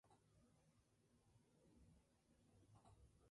Doctor en Administración.